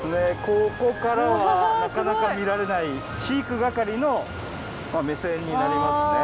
ここからはなかなか見られない飼育係の目線になりますね。